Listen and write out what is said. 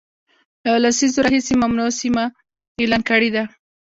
له لسیزو راهیسي ممنوع سیمه اعلان کړې ده